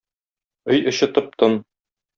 Өй эче тып-тын.